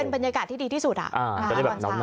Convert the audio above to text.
เป็นบรรยากาศที่ดีที่สุดอ่ะ